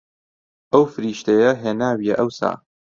ئەو فریشتەیە هێناویە ئەوسا